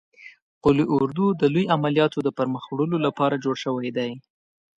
قول اردو د لوی عملیاتو د پرمخ وړلو لپاره جوړ شوی دی.